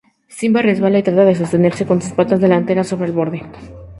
Simba resbala y trata de sostenerse, con sus patas delanteras sobre el borde.